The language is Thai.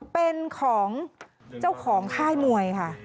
เป็นของเจ้าของค่ายมวยค่ะ